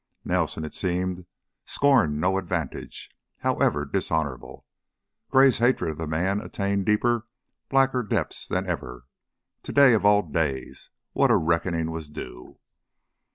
Nelson, it seemed, scorned no advantage, however dishonorable. Gray's hatred of the man attained deeper, blacker depths than ever. To day of all days! What a reckoning was due!